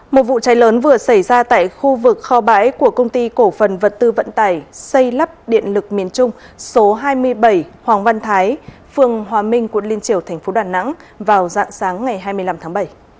một vụ cháy lớn vừa xảy ra tại khu vực kho bãi của công ty cổ phần vật tư vận tải xây lắp điện lực miền trung số hai mươi bảy hoàng văn thái phường hòa minh quận liên triều thành phố đà nẵng vào dạng sáng ngày hai mươi năm tháng bảy